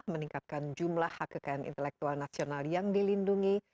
meningkatkan jumlah hak kekayaan intelektual nasional yang dilindungi